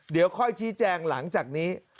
เดี๋ยวค่อยชี้แจงหลังจากนี้